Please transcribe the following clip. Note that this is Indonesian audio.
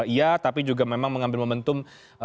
iya tapi juga memang mengambil momentum